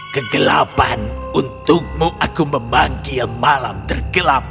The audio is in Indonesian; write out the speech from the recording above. kegelapan untukmu aku memanggil malam tergelap